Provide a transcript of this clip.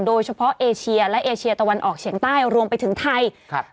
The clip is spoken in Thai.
โดยเฉพาะเอเชียและเอเชียตะวันออกเฉียงใต้รวมไปถึงไทยครับ